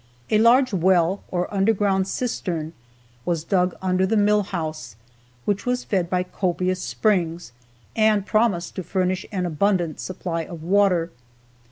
A large well, or underground cistern, was dug under the mill house, which was fed by copious springs, and promised to furnish an abundant supply of water.